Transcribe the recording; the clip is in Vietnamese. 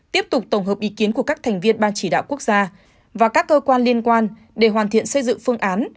tiếp tục tổng hợp ý kiến của các thành viên ban chỉ đạo quốc gia và các cơ quan liên quan để hoàn thiện xây dựng phương án